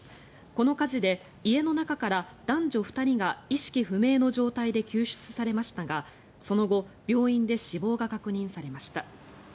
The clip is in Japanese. この火事で家の中から男女２人が意識不明の状態で救出されましたが、その後病院で死亡が確認されました。